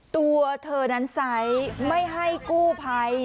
ตัวเธอนั้นไซส์ไม่ให้กู้ภัย